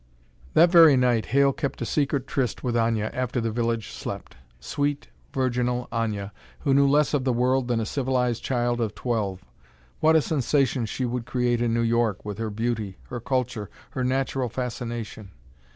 That very night Hale kept a secret tryst with Aña after the village slept. Sweet, virginal Aña, who knew less of the world than a civilized child of twelve what a sensation she would create in New York with her beauty, her culture, her natural fascination!